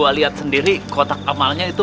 ayah tidak mau ngaku